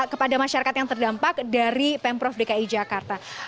kepada masyarakat yang terdampak dari pemprov dki jakarta